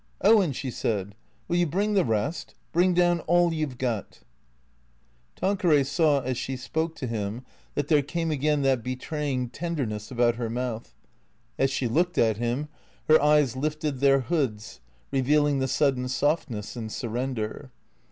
"Owen," she said, "will you bring the rest? Bring down all you 've got." Tanqueray saw as she spoke to him that there came again that betraying tenderness about her mouth ; as she looked at him, her eyes lifted their hoods, revealing the sudden softness and sur render.